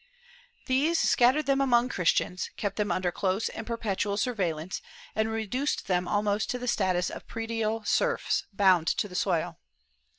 These scattered them among Christians, kept them under close and per petual surveillance, and reduced them almost to the status of predial serfs, bound to the soil.